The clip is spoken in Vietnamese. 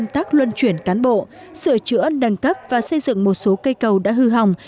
công tác luân chuyển cán bộ sửa chữa nâng cấp và xây dựng một số cây cầu đã hư hỏng